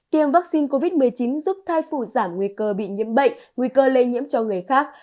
tiêm vaccine covid một mươi chín giúp thai phụ giảm nguy cơ bị nhiễm bệnh nguy cơ lây nhiễm cho người khác